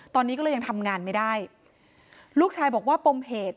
ตอนนี้ก็เลยยังทำงานไม่ได้ลูกชายบอกว่าปมเหตุ